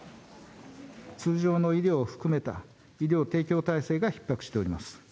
通常の医療も含めた医療提供体制がひっ迫しております。